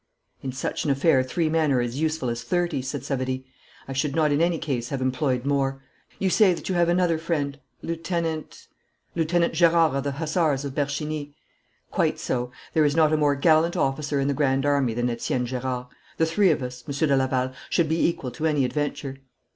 'In such an affair three men are as useful as thirty,' said Savary. 'I should not in any case have employed more. You say that you have another friend, Lieutenant ?' 'Lieutenant Gerard of the Hussars of Bercheny.' 'Quite so. There is not a more gallant officer in the Grand Army than Etienne Gerard. The three of us, Monsieur de Laval, should be equal to any adventure.'